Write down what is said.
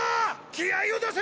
気合いを出せ！